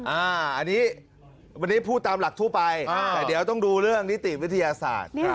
อันนี้วันนี้พูดตามหลักทั่วไปแต่เดี๋ยวต้องดูเรื่องนิติวิทยาศาสตร์